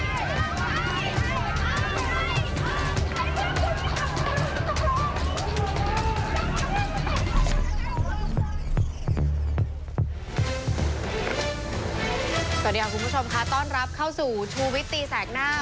สวัสดีค่ะคุณผู้ชมค่ะต้อนรับเข้าสู่ชูวิตตีแสกหน้า